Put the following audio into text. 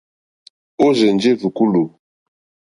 Ó rzènjé rzùkúlù.